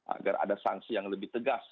agar ada sanksi yang lebih tegas